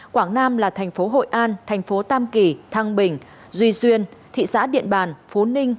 quảng nam là thành phố hội an thành phố tam kỳ thăng bình duy xuyên thị xã điện bàn phú ninh